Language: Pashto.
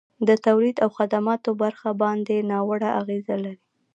د تولید او خدماتو برخه باندي ناوړه اغیزه لري.